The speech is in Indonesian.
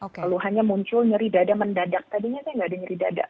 keluhannya muncul nyeri dada mendadak tadinya saya nggak ada nyeri dada